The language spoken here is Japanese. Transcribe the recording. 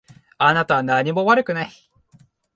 あなたは何も悪くない。